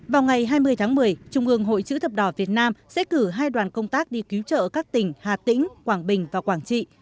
vào ngày hai mươi tháng một mươi trung ương hội chữ thập đỏ việt nam sẽ cử hai đoàn công tác đi cứu trợ các tỉnh hà tĩnh quảng bình và quảng trị